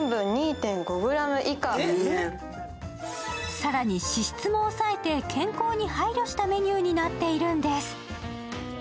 更に脂質も抑えて健康に配慮したメニューになっているんです。